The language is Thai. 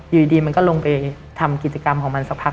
อยู่ดีมันก็ลงไปทำกิจกรรมของมันสักพัก